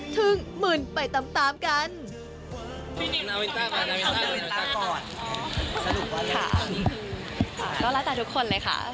ถึงหมื่นไปตามตามกัน